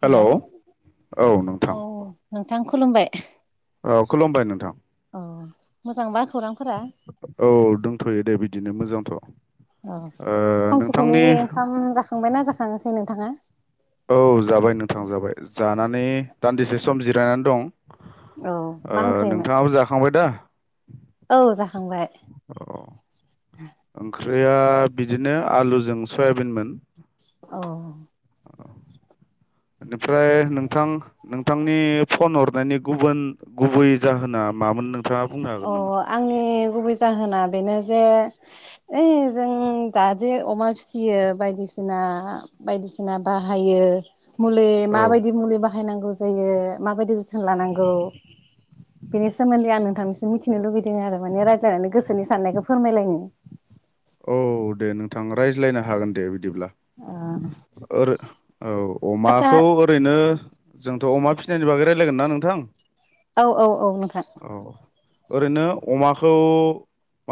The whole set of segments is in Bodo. हेल' हेलौ औ नोंथां। नोंथां खुलुमबाय। औ खुलुमबाय नोंथां मोजांबा? खौरांफोरा औ दंथ'यो दे बिदिनो मोजांथ' अ सानजौफुनि नोंथांनि ओंखाम जाखांबायना जाखाङाखै नोंथाङा? औ जाबाय नोंथां जाबाय जानानै दान्दिसे सम जिरायनानै दं औ मा ओ ओंख्रिमोन नोंथाङाबो जाखांबाय दा औ जाखांबाय औ ओंख्रिया बिदिनो आलुजों सयाबिनमोन औ बेनिफ्राय नों नोंथां नोंथांनि फन हरनायनि गुबुन गुबै जाहोना मामोन नोंथाङा बुंनो अ हागोन नामा आंनि गुबै जाहोना बेनो जे ओइ जों दादे अमा फिसियो बायदिसिना बायदिसिना बाहायो मुलि औ मा बायदि मुलि बाहायो बाहायनांगौ जायो माबायदि जोथोन लानांगौ बेनि सोमोन्दै आं नोंथांनि जों मिथिनो लुुबैदों आरो माने रायज्लायनानै गोसोनि साननायखौ फोरमायलायनो। औ दे नोंथां रायज्लायनो हागोन दे बि बिदिब्ला ओ ओरै औ आदसा अमाखौ ओरैनो जोंथ' अमा फिसिनायनि बागै रायजलायगोन ना नोंथां। औ औ औ नोंथां। औ ओरैनो अमाखौ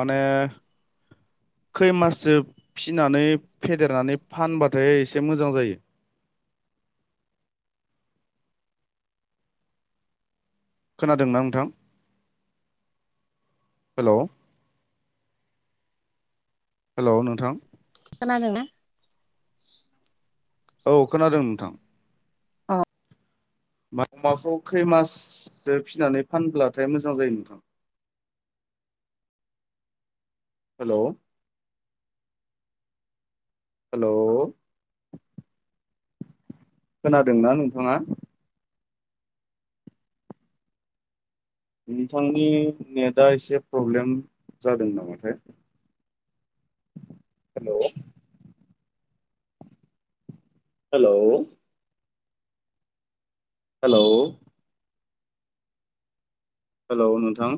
माने खै माससो फिनानै फेदेरनानै फानबाथाय एसे मोजां जायो। [inaudible] खोनादोंना नोंथां? हेलौ। हेलौ नोंथां खोनादोंना औ खोनादों नोंथां अ अमाखौ खै माससो फिनानै फानब्लाथाय मोजां जायो नोंथां हेलौ हेल'। खोनादोंना नोंथाङा? नोंथांनि नेटआ एसे प्रब्लेम जादों नामाथाय [inaudible] हेल'। हेलौ हेल'। हेलौ नोंथां।